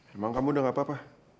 emang kamu udah gak apa apa